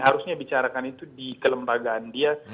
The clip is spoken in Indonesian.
harusnya bicarakan itu di kelembagaan dia